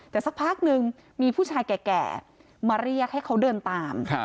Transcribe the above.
แต่สักพักนึงมีผู้ชายแก่มาเรียกให้เขาเดินตาม